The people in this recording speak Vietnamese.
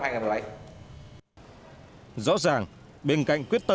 rõ ràng bên cạnh quyết tâm của thành phố trong nỗ lực lập lại trật tự đô thị